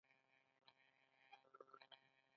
البته که مو په طبعه ولګېدل، ډېر به ښه وي، نه یې پرېږدو.